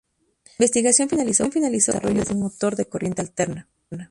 La investigación finalizó con el desarrollo de un motor de corriente alterna.